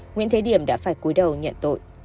nguyễn thế điểm đã phải cuối đầu nhận tội